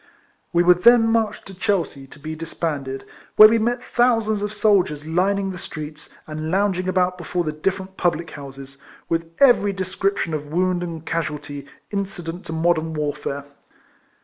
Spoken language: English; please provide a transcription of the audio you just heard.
AVe were then marched to Chelsea, to be disbanded, where we met thousands of soldiers lining, the streets, and lounging about before the different public houses, with every descrip tion of wound and casualty incident to modern warfare.